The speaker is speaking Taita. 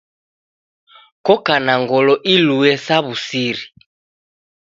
Koka na ngolo ilue sa wu'siri